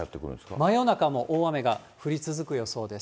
真夜中も大雨が降り続く予想です。